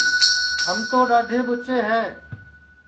ہم تو ڈؔاڈھے ٻوچے